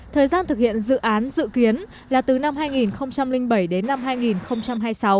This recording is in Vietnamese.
thời gian thực hiện dự án dự kiến là từ năm hai nghìn bảy đến năm hai nghìn hai mươi sáu